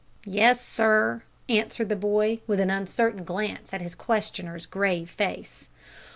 "Yes, sir," answered the boy, with an uncertain glance at his questioner's grave face.